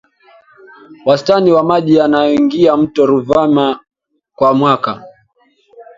Wastani wa maji yanayoingia mto Ruvuma kwa mwaka